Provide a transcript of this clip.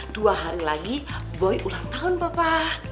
dua hari lagi boy ulang tahun bapak